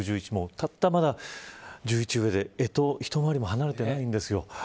たった１１上でえと一回りも離れてないんです。